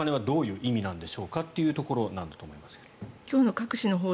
そのお金はどういう意味なんでしょうかというところなんだと思いますけど。